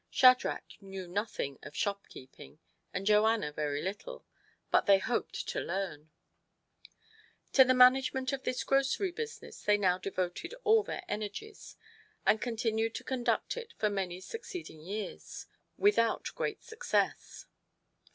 Shadrach knew nothing of shopkeeping, and Joanna very little, but they hoped to learn. To the management of this grocery business they now devoted all their energies, and con tinued to conduct it for many succeeding years, TO PLEASE HIS WIFE. 117 without great success.